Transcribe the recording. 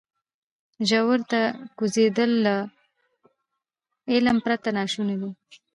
ژورو ته کوزېدل له علم پرته ناشونی دی.